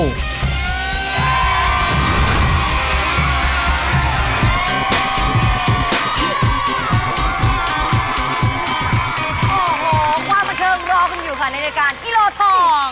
โอ้โหว่าเมื่อเชิงรอคุณอยู่ค่ะนักยาการกิโลทอง